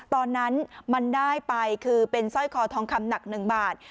ตอนนั้นมันได้ไปคือเป็นสร้อยคอทองคำหนัก๑บาท